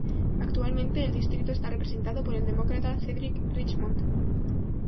Actualmente el distrito está representado por el Demócrata Cedric Richmond.